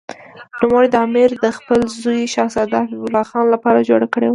نوموړي امیر دا د خپل زوی شهزاده حبیب الله خان لپاره جوړه کړې وه.